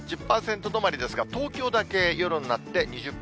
１０％止まりですが、東京だけ夜になって２０％。